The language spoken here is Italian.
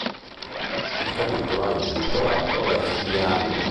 Il capitolo è intitolato "Left Behind".